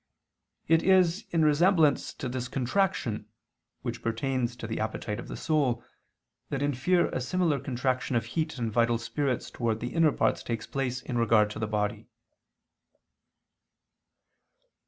It is in resemblance to this contraction, which pertains to the appetite of the soul, that in fear a similar contraction of heat and vital spirits towards the inner parts takes place in regard to the body.